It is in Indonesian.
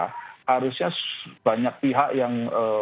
harusnya banyak pihak yang